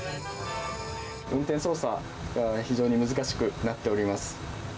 運転操作が非常に難しくなっております。